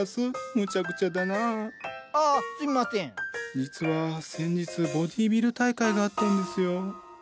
実は先日ボディービル大会があったんですよ。